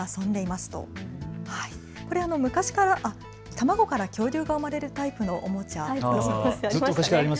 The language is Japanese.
卵から恐竜が生まれるタイプのおもちゃ。